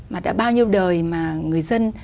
mà đã bao nhiêu đời mà người dân